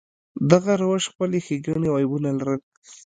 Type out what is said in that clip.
دغه روش خپلې ښېګڼې او عیبونه لرل.